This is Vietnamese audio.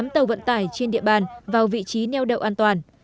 một mươi tám tàu vận tải trên địa bàn vào vị trí neo đậu an toàn